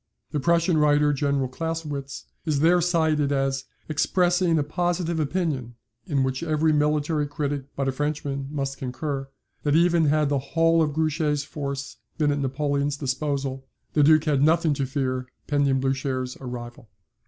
The Prussian writer, General Clausewitz, is there cited as "expressing a positive opinion, in which every military critic but a Frenchman must concur, that, even had the whole of Grouchy's force been at Napoleon's disposal, the Duke had nothing to fear pending Blucher's arrival.